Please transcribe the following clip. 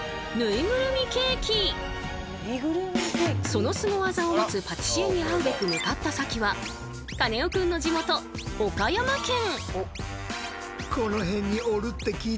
そのスゴ技を持つパティシエに会うべく向かった先はカネオくんの地元岡山県。